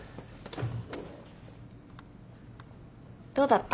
どうだった？